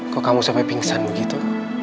kok kamu sampai pingsan begitu